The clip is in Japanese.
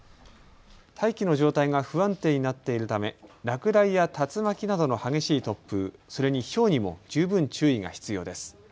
大気の状態が不安定になっているため落雷や竜巻などの激しい突風、それにひょうにも十分注意が必要です。